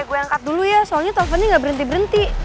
gue angkat dulu ya soalnya teleponnya gak berhenti berhenti